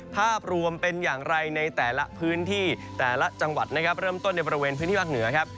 ภาพรวมเป็นอย่างไรในแต่ละพื้นที่แต่ละจังหวัดนะครับเริ่มต้นในบริเวณพื้นที่ภาคเหนือครับ